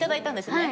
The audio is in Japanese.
はい。